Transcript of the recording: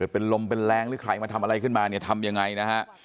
เป็นลมเป็นแรงหรือใครมาทำอะไรขึ้นมาเนี่ยทำยังไงนะฮะ